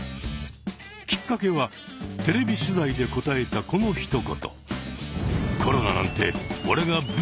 きっかけはテレビ取材で答えたこのひと言。